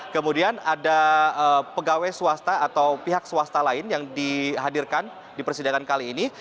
kemudian ada pegawai swasta atau pihak swasta lain yang dihadirkan di persidangan kali ini